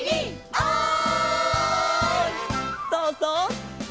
「おい！」